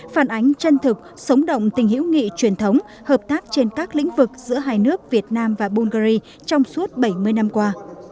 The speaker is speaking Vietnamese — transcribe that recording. phản ánh chân thực sống động tình hữu nghị truyền thống hợp tác trên các lĩnh vực giữa hai nước việt nam và bungary trong suốt bảy mươi năm qua